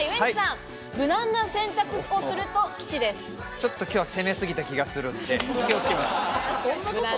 ちょっときょうは攻めすぎた気がするんで気をつけます。